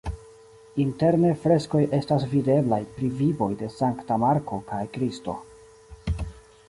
Interne freskoj estas videblaj pri vivoj de Sankta Marko kaj Kristo.